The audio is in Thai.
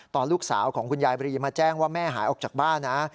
ตอนลูกสาวของคุณยายบรีมาแจ้งว่าแม่หายออกจากบ้านนะ